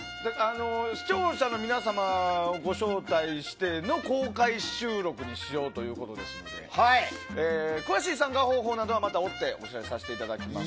視聴者の皆様をご招待しての公開収録にしようということですので詳しい参加方法などは追ってお知らせいたします。